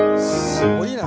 すごいな。